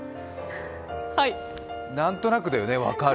何となくだよね、分かる。